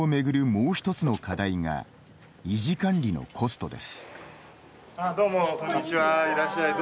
もう一つの課題が維持管理のコストです。